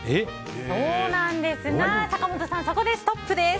そうなんですが坂本さんそこでストップです。